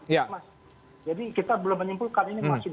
mas jadi kita belum menyimpulkan ini masih